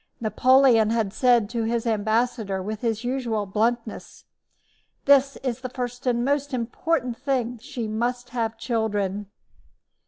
Napoleon had said to his ambassador with his usual bluntness: "This is the first and most important thing she must have children."